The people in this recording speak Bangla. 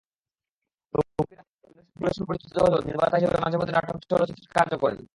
তৌকির আহমেদ অভিনয়শিল্পী হিসেবে সুপরিচিত হলেও নির্মাতা হিসেবে মাঝেমধ্যে নাটক, চলচ্চিত্রের কাজও করেন।